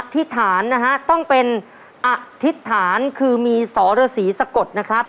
ธิษฐานนะฮะต้องเป็นอธิษฐานคือมีสรสีสะกดนะครับ